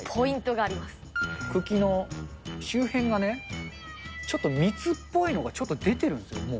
茎の周辺がね、ちょっと蜜っぽいのがちょっと出てるんですよ、もう。